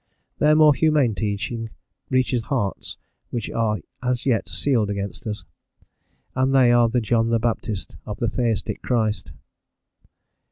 Their more humane teaching reaches hearts which are as yet sealed against us, and they are the John Baptist of the Theistic Christ.